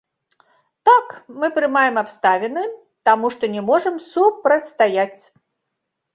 Так, мы прымаем абставіны, таму што не можам супрацьстаяць.